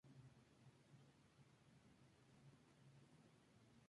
Estas clases se llaman "clases paralelas" de líneas.